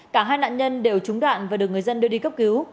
cả hai nạn nhân đều trúng đạn và được người dân đưa đi cấp cứu